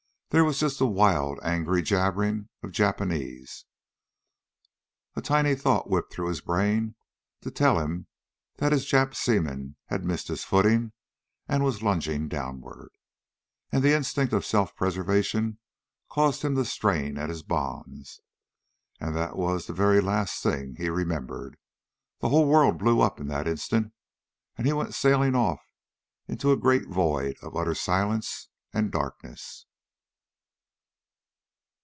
There was just the wild, angry jabbering of Japanese. A tiny thought whipped through his brain to tell him that his Jap seaman had missed his footing and was lunging downward. And the instinct of self preservation caused him to strain at his bonds. And that was the very last thing he remembered. The whole world blew up in that instant and he went sailing off into a great void of utter silence and darkness.